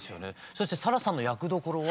そしてｓａｒａさんの役どころは？